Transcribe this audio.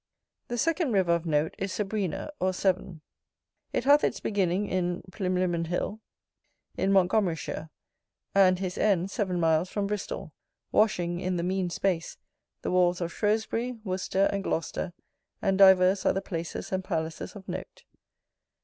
The second river of note is SABRINA or SEVERN: it hath its beginning in Plinilimmon hill, in Montgomeryshire; and his end seven miles from Bristol; washing, in the mean space, the walls of Shrewsbury, Worcester, and Gloucester, and divers other places and palaces of note.